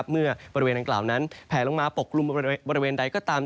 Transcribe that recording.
เมื่อบริเวณดังกล่าวนั้นแผลลงมาปกกลุ่มบริเวณใดก็ตาม